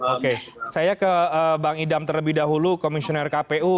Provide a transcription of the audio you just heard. oke saya ke bang idam terlebih dahulu komisioner kpu